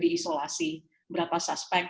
diisolasi berapa suspek